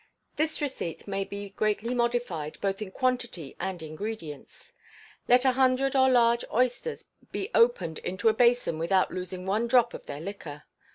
This receipt may be greatly modified, both in quantity and ingredients. Let a hundred of large oysters be opened into a basin without losing one drop of their liquor.